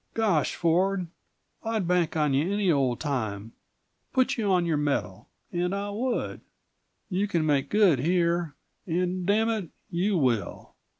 Gosh, Ford, I'd bank on you any old time put you on your mettle, and I would! You can make good here and damn it, you will!"